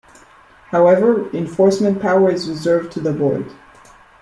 However, enforcement power is reserved to the Board.